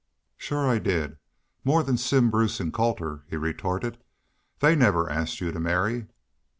"Shore I did more than Simm Bruce an' Colter," he retorted. "They never asked you to marry."